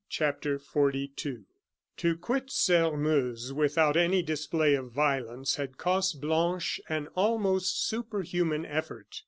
CHAPTER XLII To quit Sairmeuse without any display of violence had cost Blanche an almost superhuman effort.